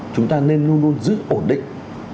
chúng ta nên luôn luôn giữ ổn định